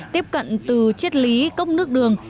tiếp cận từ triết lý cốc nước đường